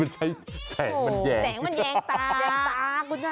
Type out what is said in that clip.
ใช้แสงมันแยงแสงมันแยงตาแยงตาคุณชนะ